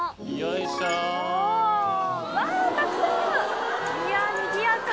いやにぎやか！